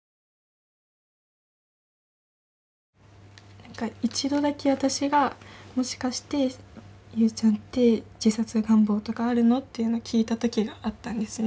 何か一度だけ私が「もしかして有ちゃんって自殺願望とかあるの？」っていうのを聞いた時があったんですね。